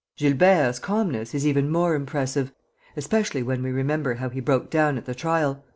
"Gilbert's calmness is even more impressive, especially when we remember how he broke down at the trial.